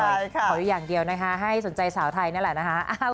อย่าอยู่อย่างเดียวนะให้สนใจสาวไทยนั่นละ